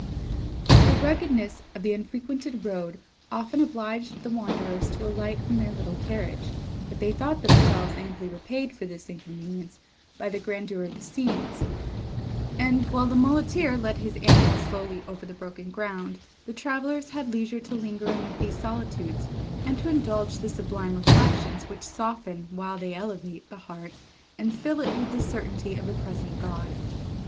The ruggedness of the unfrequented road often obliged the wanderers to alight from their little carriage, but they thought themselves amply repaid for this inconvenience by the grandeur of the scenes; and, while the muleteer led his animals slowly over the broken ground, the travellers had leisure to linger amid these solitudes, and to indulge the sublime reflections, which soften, while they elevate, the heart, and fill it with the certainty of a present God!